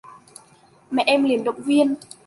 Mẹ em liền động viên